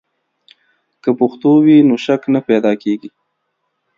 که پښتو وي، نو شک نه پیدا کیږي.